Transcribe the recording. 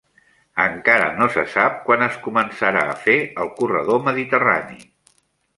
Encara no se sap quan es començarà a fer el corredor mediterrani